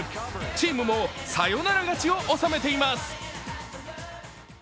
チームもサヨナラ勝ちを収めています。